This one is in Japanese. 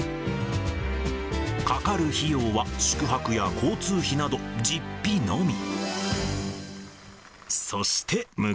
かかる費用は、宿泊や交通費など実費のみ。